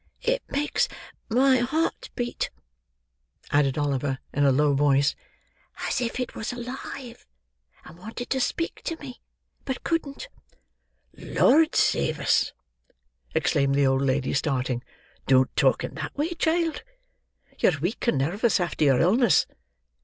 It makes my heart beat," added Oliver in a low voice, "as if it was alive, and wanted to speak to me, but couldn't." "Lord save us!" exclaimed the old lady, starting; "don't talk in that way, child. You're weak and nervous after your illness.